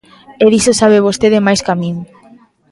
E diso sabe vostede máis ca min.